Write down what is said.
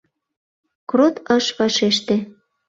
Крот ыш вашеште.